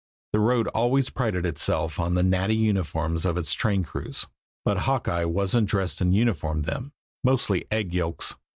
The road always prided itself on the natty uniforms of its train crews, but Hawkeye wasn't dressed in uniform then mostly egg yolks.